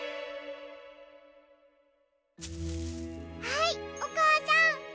はいおかあさん。